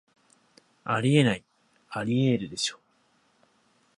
あり得ない、アリエールでしょ